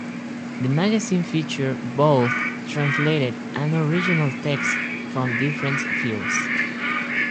The magazine featured both translated and originals texts from different fields.